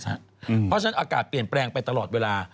เพราะฉะนั้นอากาศเปลี่ยนแปลงไปตลอดเวลา